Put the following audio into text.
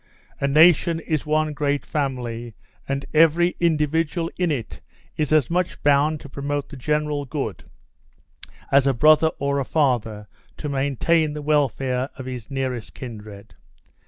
A nation is one great family, and every individual in it is as much bound to promote the general good as a brother or a father to maintain the welfare of his nearest kindred.